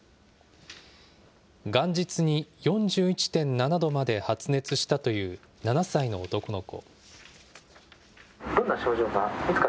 元日に４１．７度まで発熱したという７歳の男の子。